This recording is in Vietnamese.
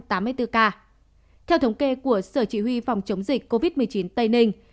theo thống kê của sở chỉ huy phòng chống dịch covid một mươi chín tây ninh